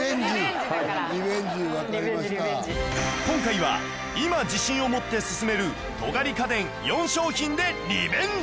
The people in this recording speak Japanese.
今回は今自信を持って薦める尖り家電４商品でリベンジ！